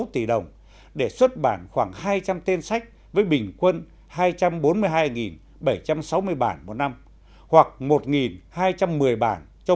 sáu tỷ đồng để xuất bản khoảng hai trăm linh tên sách với bình quân hai trăm bốn mươi hai bảy trăm sáu mươi bản một năm hoặc một hai trăm một mươi bản cho